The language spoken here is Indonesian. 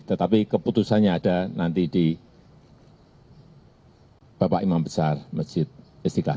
tetapi keputusannya ada nanti di bapak imam besar masjid istiqlal